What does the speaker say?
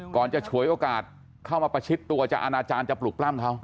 ก่อนจะเฉยโอกาสเข้ามาประชิดตัวอาจารย์จะปรึกปล้ามเค้า